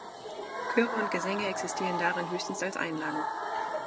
Chöre und Gesänge existieren darin höchstens als Einlagen.